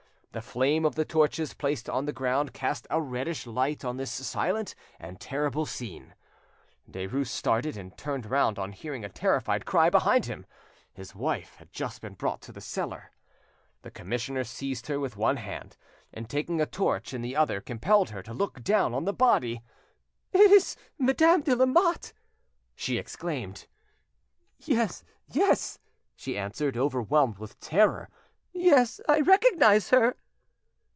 The flame of the torches placed on the ground cast a reddish light on this silent and terrible scene. Derues started and turned round on hearing a terrified cry behind him. His wife had just been brought to the cellar. The commissioner seized her with one hand, and taking a torch in the other, compelled her to look down on the body. "It is Madame de Lamotte!" she exclaimed. "Yes, yes," she answered, overwhelmed with terror,—"yes, I recognise her!"